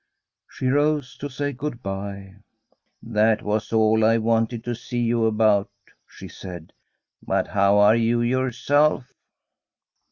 She rose to say good bye. * That was all I wanted to see you about,' she said. * But how are you yourself?